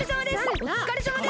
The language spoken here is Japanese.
おつかれさまです！